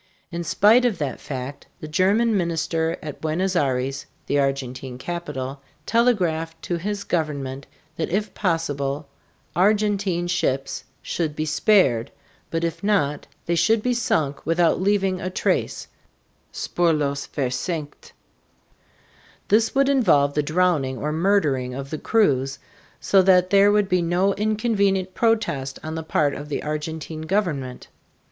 In spite of that fact, the German minister at Buenos Aires (the Argentine capital) telegraphed to his government that if possible Argentine ships should be spared, but if not, they should be sunk without leaving a trace ("spurlos versenkt)." This would involve the drowning or murdering of the crews, so that there would be no inconvenient protest on the part of the Argentine government.